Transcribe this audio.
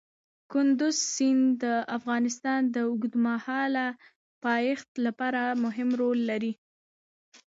کندز سیند د افغانستان د اوږدمهاله پایښت لپاره مهم رول لري.